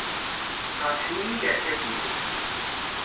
Qerḥen-iyi yirkasen-iw.